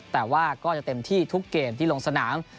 แต่ว่าก็จะเต็มที่ทุกเกมที่ลงสนาม